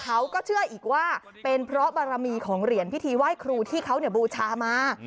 เขาก็เชื่ออีกว่าเป็นเพราะบารมีของเหรียญพิธีไหว้ครูที่เขาบูชามา